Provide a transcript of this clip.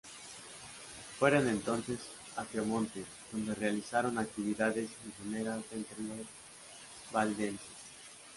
Fueron entonces a Piamonte, donde realizaron actividades misioneras entre los valdenses.